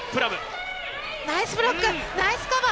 ナイスブロックナイスカバー！